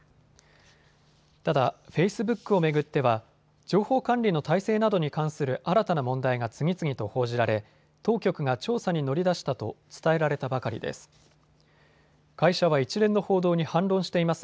ただ、フェイスブックを巡っては情報管理の体制などに関する新たな問題が次々と報じられ当局が調査に乗り出したと伝えられたばかりです。